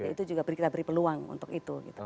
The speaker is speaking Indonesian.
itu juga kita beri peluang untuk itu